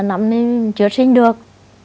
năm nay chưa sinh được